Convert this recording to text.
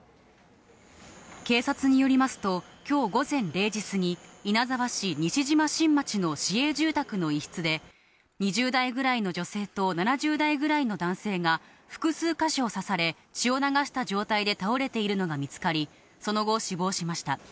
警察によりますと、きょう午前０時過ぎ、稲沢市西島新町の市営住宅の一室で、２０代ぐらいの女性と７０代ぐらいの男性が、複数箇所を刺され、血を流した状態で倒れているのが見つかり、その後、死亡しました。